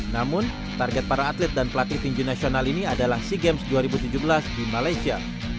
namun target para atlet dan pelatih tinju nasional ini adalah sea games dua ribu tujuh belas di malaysia